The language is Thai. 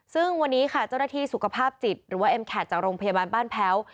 ซึ่งวันนี้ค่ะเจ้าหน้าที่สุขภาพจิตหรือว่าเอ็มแขกจากโรงพยาบาลบ้านแพ้ว